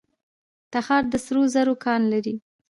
تخار د سرو زرو کان لري